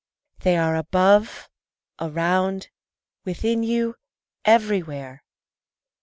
They are above, around, within you, everywhere.